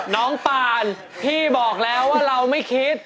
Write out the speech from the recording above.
น้องปานพี่บอกแล้วว่าเราไม่คิด